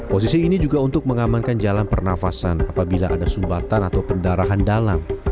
posisi ini juga untuk mengamankan jalan pernafasan apabila ada sumbatan atau pendarahan dalam